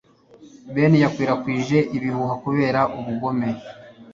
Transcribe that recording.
Ben yakwirakwije ibihuha kubera ubugome.